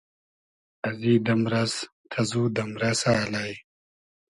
ازی دئمرئس تئزو دئمرئسۂ الݷ